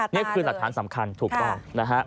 นี่คือหลักฐานสำคัญถูกต้องนะฮะ